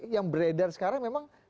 yang beredar sekarang memang